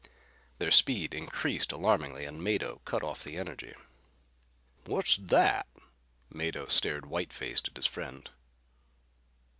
Their speed increased alarmingly and Mado cut off the energy. "What's that?" Mado stared white faced at his friend.